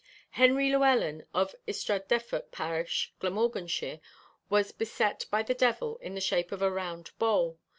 Henry Llewelyn, of Ystrad Defoc parish, Glamorganshire, was beset by the devil in the shape of a round bowl.